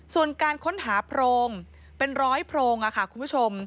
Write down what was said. ส่วนการค้นหาโพรงเป็นร้อยโพรงค่ะคุณผู้ชม